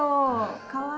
かわいい。